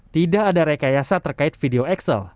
tidak ada rekayasa terkait video excel